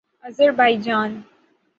Azerbaijan